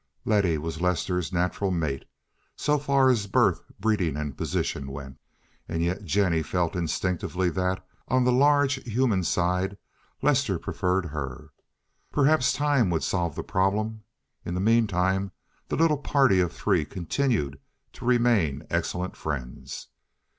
Letty was Lester's natural mate, so far as birth, breeding, and position went. And yet Jennie felt instinctively that, on the large human side, Lester preferred her. Perhaps time would solve the problem; in the mean time the little party of three continued to remain excellent friends.